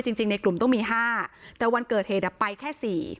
จริงในกลุ่มต้องมี๕แต่วันเกิดเหตุไปแค่๔